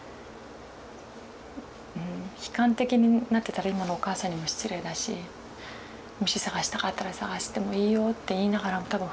悲観的になってたら今のお母さんにも失礼だし「もし捜したかったら捜してもいいよ」って言いながら多分不安だと思うし。